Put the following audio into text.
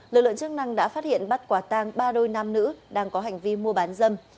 lực lượng chức năng đã phát hiện bắt quả tang ba đôi nam nữ đang có hành vi mua bán dâm